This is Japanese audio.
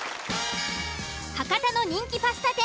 博多の人気パスタ店